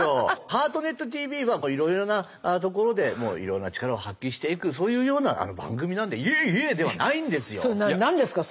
「ハートネットＴＶ」はいろいろなところでいろんな力を発揮していくそういうような番組なんで「イェーイェー」ではないんですよ。何ですか？